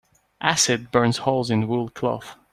Acid burns holes in wool cloth.